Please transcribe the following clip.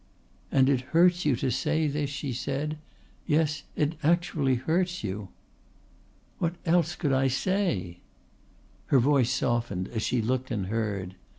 "And it hurts you to say this!" she said. "Yes, it actually hurts you." "What else could I say?" Her face softened as she looked and heard.